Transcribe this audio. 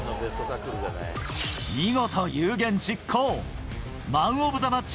見事、有言実行。